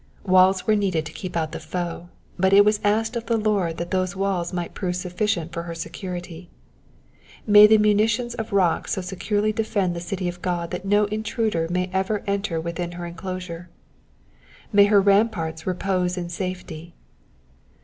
Walls were needed to keep out the foe, but it was asked of the Lord that those walls might prove sufficient for her security. May the munitions of rock so securely defend the city of God that no intruder may ever enter within her enclosure. May her ramparts repose in safety.